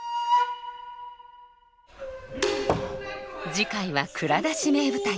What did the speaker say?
次回は「蔵出し！名舞台」。